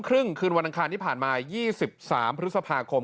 ครึ่งคืนวันอังคารที่ผ่านมา๒๓พฤษภาคม